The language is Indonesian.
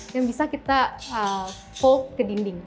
yang bisa kita cold ke dinding